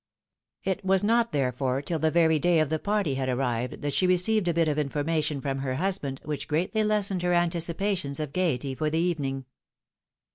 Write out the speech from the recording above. It was not, therefore, till the very day of the party had arrived, that she received a bit of information from her husband, which greatly lessened her anticipations of gaiety for the evening.